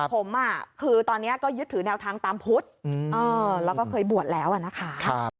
ผมคือตอนนี้ก็ยึดถือแนวทางตามพุทธแล้วก็เคยบวชแล้วนะคะ